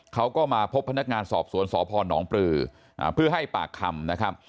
เขาก็มาพบพนักงานสอบสวนสพนปลือเพื่อให้ปากคำนะครับ